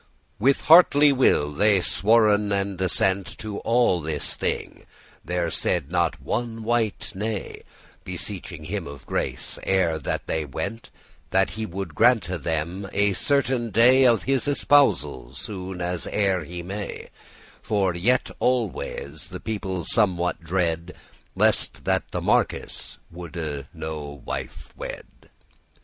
With heartly will they sworen and assent To all this thing, there said not one wight nay: Beseeching him of grace, ere that they went, That he would grante them a certain day Of his espousal, soon as e'er he rnay, For yet always the people somewhat dread* *were in fear or doubt Lest that the marquis woulde no wife wed.